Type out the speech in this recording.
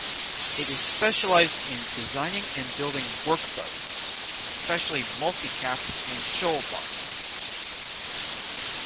It is specialised in designing and building workboats, especially 'multi cats' and shoalbusters.